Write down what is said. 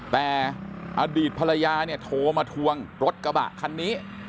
แต่อดีตภรรยาเนี่ยโทรมาทวงรถกระบะคันนี้